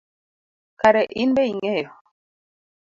Kare inbe ing’eyo?